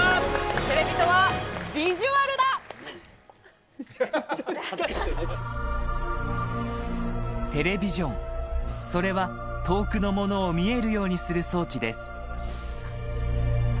テレビとは、テレビジョン、それは遠くのものを見えるようにする装置です。